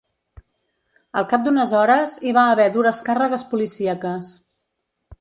Al cap d’unes hores hi va haver dures càrregues policíaques.